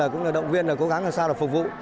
cũng là động viên cố gắng phục vụ